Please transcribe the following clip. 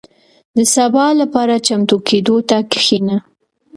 • د سبا لپاره چمتو کېدو ته کښېنه.